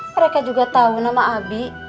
mereka juga tahu nama abi